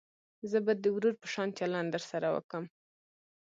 زه به د ورور په شان چلند درسره وکم.